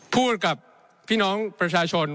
พูดกับพี่น้องประชาชน